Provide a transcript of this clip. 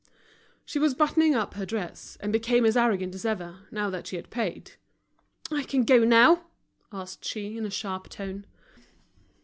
She was buttoning up her dress, and became as arrogant as ever, now that she had paid. "I can go now?" asked she, in a sharp tone.